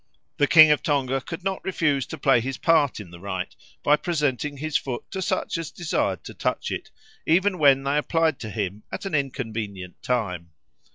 The king of Tonga could not refuse to play his part in the rite by presenting his foot to such as desired to touch it, even when they applied to him at an inconvenient time.